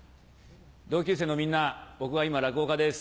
同級生のみんな僕は今落語家です。